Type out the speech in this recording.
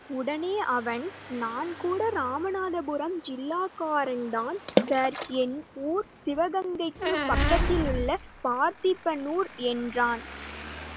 உடனே அவன் நான் கூட ராமநாதபுரம் ஜில்லாகாரன்தான் சார் என் ஊர் சிவகங்கைக்குப் பக்கத்திலுள்ள பார்த்திபனூர் என்றான்.